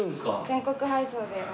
全国配送で。